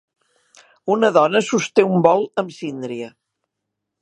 Una dona sosté un bol amb síndria.